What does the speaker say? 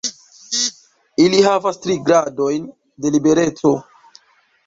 Ili havas tri gradojn de libereco.